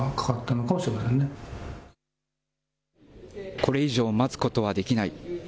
これ以上待つことはできない。